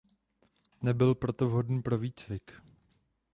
Nebyl proto vhodný pro výcvik.